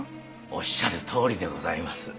おっしゃるとおりでございます。